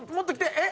えっ？